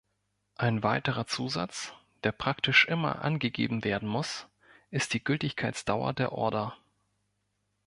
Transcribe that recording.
Ein weiterer Zusatz, der praktisch immer angegeben werden muss, ist die Gültigkeitsdauer der Order.